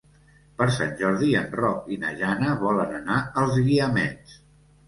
Per Sant Jordi en Roc i na Jana volen anar als Guiamets.